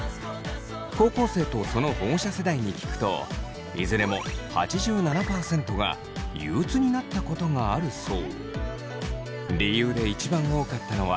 高校生とその保護者世代に聞くといずれも８７％が憂鬱になったことがあるそう。